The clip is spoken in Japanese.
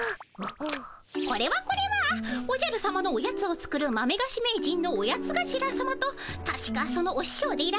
これはこれはおじゃるさまのオヤツを作る豆がし名人のオヤツがしらさまとたしかそのおししょうでいらっしゃる